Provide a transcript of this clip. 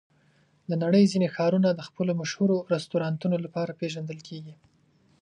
د نړۍ ځینې ښارونه د خپلو مشهور رستورانتونو لپاره پېژندل کېږي.